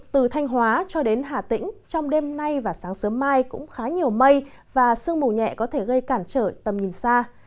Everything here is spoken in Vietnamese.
từ thanh hóa cho đến hà tĩnh trong đêm nay và sáng sớm mai cũng khá nhiều mây và sương mù nhẹ có thể gây cản trở tầm nhìn xa